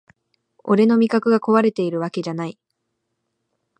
俺の味覚がこわれてるわけじゃない